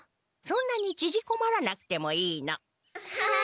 そんなにちぢこまらなくてもいいの。